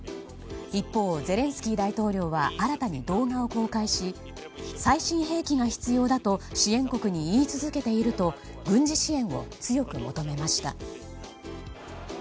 一方、ゼレンスキー大統領は新たに動画を公開し最新兵器が必要だと支援国に言い続けていると軍事支援を強く求めました。